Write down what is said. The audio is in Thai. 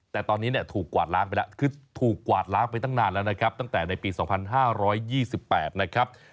แต่ตอนนี้ถูกกวาดล้างไปตั้งนานแล้วนะครับตั้งแต่ในปี๒๕๒๘นะครับ